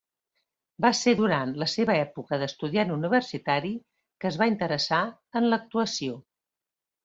Va ser durant la seva època d'estudiant universitari que es va interessar en l'actuació.